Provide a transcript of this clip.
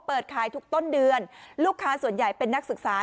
เปิดขายทุกต้นเดือนลูกค้าส่วนใหญ่เป็นนักศึกษา